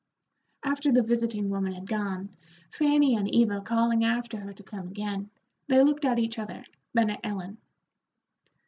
After the visiting woman had gone, Fanny and Eva calling after her to come again, they looked at each other, then at Ellen.